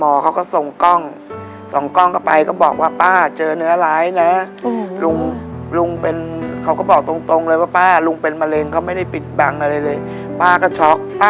มากก่อนนี้๒คนผัวเมียและลุงโน่ะจะเป็นอาชีพขับรถเมลใช่ค่ะ